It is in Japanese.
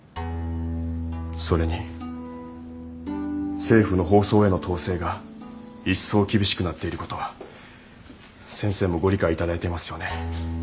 それに政府の放送への統制が一層厳しくなっている事は先生もご理解頂いていますよね。